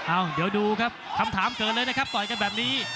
เอ้าเดี๋ยวดูครับคำถามเกิดเลยนะครับต่อยกันแบบนี้